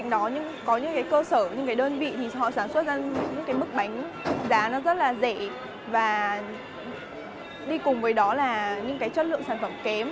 có những cơ sở những đơn vị thì họ sản xuất ra những mức bánh giá rất là dễ và đi cùng với đó là những chất lượng sản phẩm kém